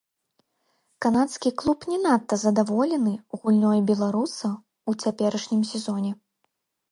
Канадскі клуб не надта задаволены гульнёй беларуса ў цяперашнім сезоне.